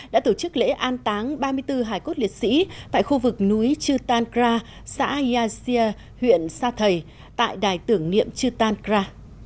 đã tổ chức lễ an táng ba mươi bốn hải cốt liệt sĩ tại khu vực núi chutankra xã yaxia huyện sa thầy tại đài tưởng niệm chutankra